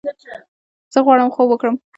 زۀ غواړم خوب وکړم!